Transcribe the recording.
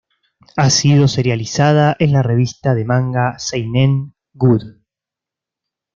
Ha sido serializada en la revista de manga "seinen", "Good!